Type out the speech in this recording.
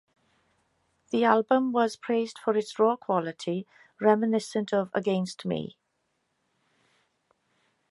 The album was praised for its raw quality, reminiscent of Against Me!